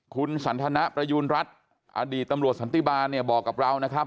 คุณสันทนประยูณรัฐอดีตตำรวจสันติบาลเนี่ยบอกกับเรานะครับ